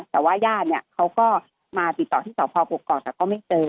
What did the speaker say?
แต่ว่าญาติเนี่ยเขาก็มาติดต่อที่สพกกอกแต่ก็ไม่เจอ